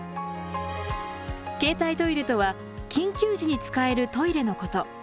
携帯トイレとは緊急時に使えるトイレのこと。